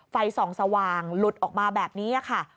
ไฟส่องสว่างหลุดออกมาแบบนี้ค่ะ